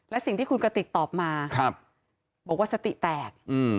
และสิ่งที่คุณกระติกตอบมาบอกว่าสติแตก